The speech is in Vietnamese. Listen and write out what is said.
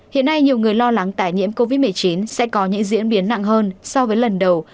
hiện nay nhiều người lo lắng tài nhiễm covid một mươi chín sẽ có những diễn biến nặng hơn so với lần đầu